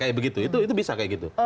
kayak begitu itu bisa kayak gitu